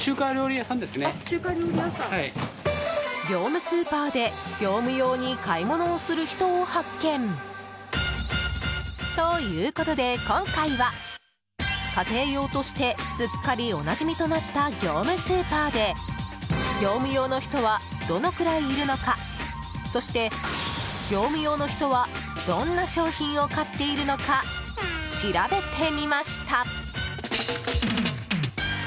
業務スーパーで業務用に買い物をする人を発見。ということで今回は家庭用としてすっかりおなじみとなった業務スーパーで業務用の人はどのくらいいるのかそして業務用の人はどんな商品を買っているのか調べてみました。